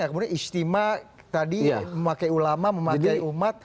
kemudian istimewa tadi memakai ulama memakai umat